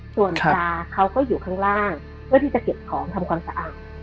ส่วนปลาเขาก็อยู่ข้างล่างเพื่อที่จะเก็บของทำความสะอาด